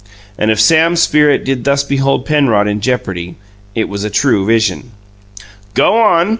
And if Sam's spirit did thus behold Penrod in jeopardy, it was a true vision. "Go on!"